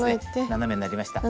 斜めになりました。